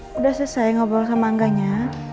sudah saya ngobrol sama angganya